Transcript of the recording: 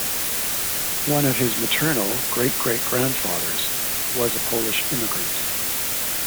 One of his maternal great-great-grandfathers was a Polish immigrant.